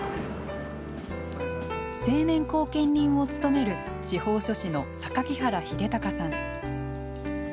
成年後見人を務める司法書士の榊原秀剛さん。